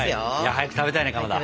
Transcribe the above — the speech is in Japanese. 早く食べたいねかまど。